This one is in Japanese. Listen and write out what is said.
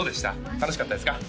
楽しかったですか？